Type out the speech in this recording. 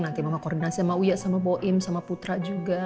nanti mama koordinasi sama uya sama boim sama putra juga